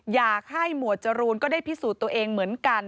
หมวดจรูนก็ได้พิสูจน์ตัวเองเหมือนกัน